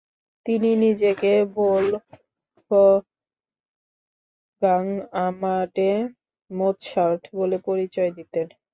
তিনি নিজেকে "ভোল্ফগাংক্ আমাডে মোৎসার্ট" বলে পরিচয় দিতেন।